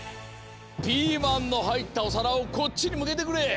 ピーマンのはいったおさらをこっちにむけてくれ。